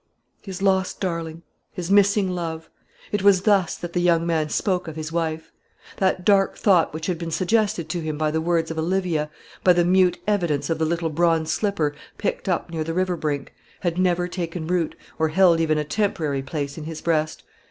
His lost darling; his missing love. It was thus that the young man spoke of his wife. That dark thought which had been suggested to him by the words of Olivia, by the mute evidence of the little bronze slipper picked up near the river brink, had never taken root, or held even a temporary place in his breast.